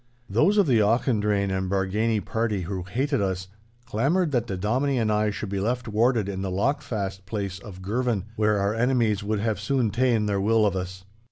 Those of the Auchendrayne and Bargany party who hated us, clamoured that the Dominie and I should be left warded in the lock fast place of Girvan, where our enemies would soon have ta'en their will of us.